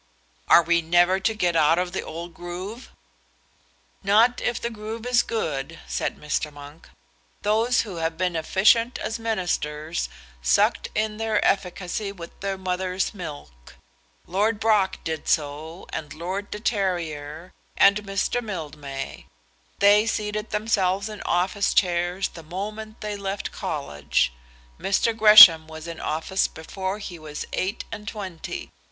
"Are we never to get out of the old groove?" "Not if the groove is good," said Mr. Monk, "Those who have been efficient as ministers sucked in their efficacy with their mother's milk. Lord Brock did so, and Lord de Terrier, and Mr. Mildmay. They seated themselves in office chairs the moment they left college. Mr. Gresham was in office before he was eight and twenty.